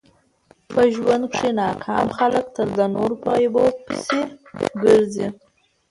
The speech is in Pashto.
په ژوند کښي ناکام خلک تل د نور په عیبو پيسي ګرځي.